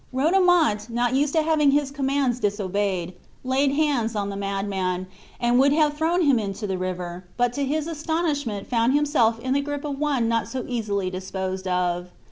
Rodomont, not used to have his commands disobeyed, laid hands on the madman, and would have thrown him into the river, but to his astonishment found himself in the gripe of one not so easily disposed of.